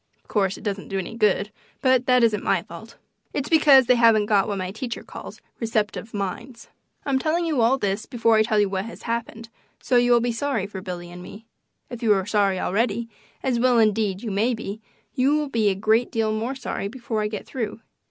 Of course it doesn't do any good, but that isn't my fault. It's because they haven't got what my teacher calls "receptive minds." I'm telling you all this before I tell you what has happened, so you will be sorry for Billy and me. If you are sorry already, as well indeed you may be, you will be a great deal more sorry before I get through.